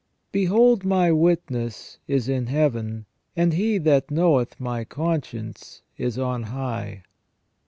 Behold my witness is in Heaven, and He that knoweth my conscience is on high."